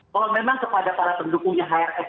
kalau memang kepada para pendukungnya hrs